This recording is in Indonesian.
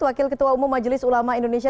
wakil ketua umum majelis ulama indonesia